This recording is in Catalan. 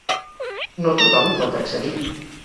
No tothom hi pot accedir.